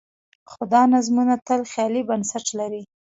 خو دا نظمونه تل خیالي بنسټ لري.